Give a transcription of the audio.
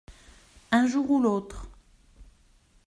Un jour ou l’autre.